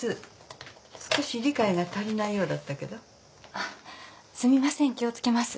あっすみません気を付けます。